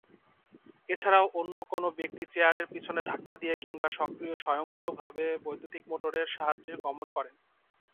এছাড়াও, অন্য কোন ব্যক্তি চেয়ারের পিছনে ধাক্কা দিয়ে কিংবা স্বয়ংক্রিয়ভাবে বৈদ্যুতিক মোটরের সাহায্যে গমন করেন।